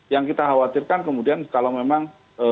yang kita khawatirkan kemudian kalau memang